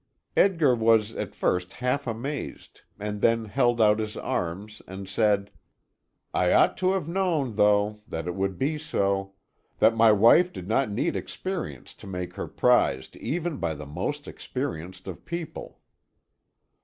Edgar was at first half amazed, and then held out his arms and said: "I ought to have known, though, that it would be so; that my wife did not need experience to make her prized even by the most experienced of people."